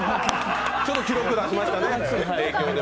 ちょっと記録出しましたね。